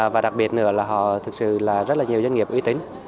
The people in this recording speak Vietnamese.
và đặc biệt nữa là họ thực sự là rất là nhiều doanh nghiệp uy tín